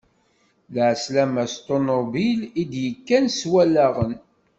Lɛeslama s ṭunubil, i d-yekkan s Wallaɣen.